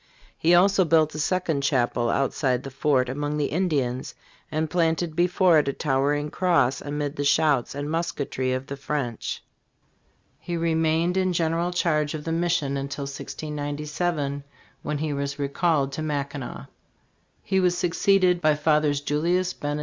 He also built a second chapel outside the fort among the Indians, and "planted before it a towering cross amid the shouts and musketry of the French." He remained in general charge of the mission until 1697, when he was re called to Mackinac. He was succeeded by Fathers Julius Binneteau and James Pinet.